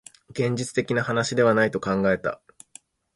現実的な話ではないと考えた